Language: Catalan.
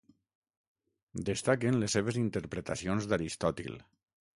Destaquen les seves interpretacions d'Aristòtil.